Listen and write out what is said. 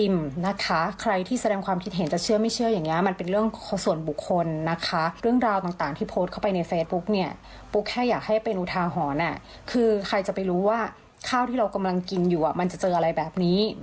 มันจะเจออะไรแบบนี้